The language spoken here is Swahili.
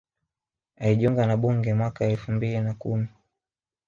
Alijiunga na bunge mwaka elfu mbili na kumi